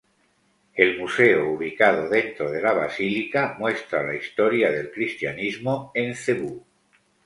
El museo ubicado dentro de la basílica, muestra la historia del cristianismo en Cebú.